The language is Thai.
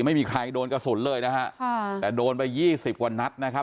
ไม่มีใครโดนกระสุนเลยนะฮะค่ะแต่โดนไปยี่สิบกว่านัดนะครับ